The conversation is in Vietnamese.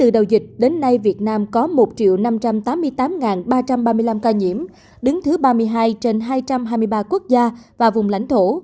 đầu dịch đến nay việt nam có một năm trăm tám mươi tám ba trăm ba mươi năm ca nhiễm đứng thứ ba mươi hai trên hai trăm hai mươi ba quốc gia và vùng lãnh thổ